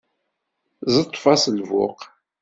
Ẓeṭṭef-as lbuq.